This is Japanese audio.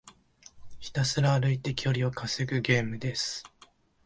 ひたすら歩いて距離を稼ぐゲームです。